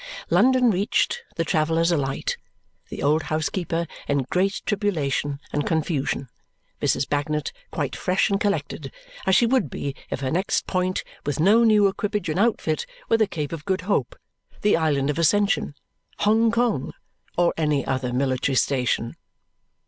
London reached, the travellers alight, the old housekeeper in great tribulation and confusion, Mrs. Bagnet quite fresh and collected as she would be if her next point, with no new equipage and outfit, were the Cape of Good Hope, the Island of Ascension, Hong Kong, or any other military station.